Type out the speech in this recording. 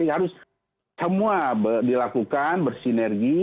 harus semua dilakukan bersinergi